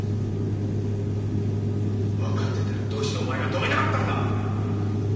分かってたらどうしてお前が止めなかったんだ！